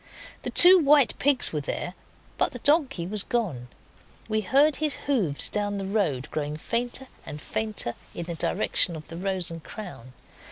The two white pigs were there, but the donkey was gone. We heard his hoofs down the road, growing fainter and fainter, in the direction of the 'Rose and Crown'.